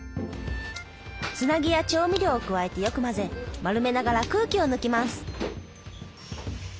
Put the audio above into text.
つなぎや調味料を加えてよく混ぜ丸めながら空気を抜きます。